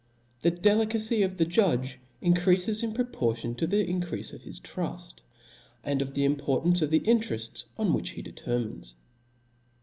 The delicacy of the judge increafe$ in proportion to the increafe of his truft, and of the importance of the interefts on which he determines.